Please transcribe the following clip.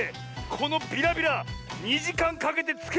このビラビラ２じかんかけてつけたよ！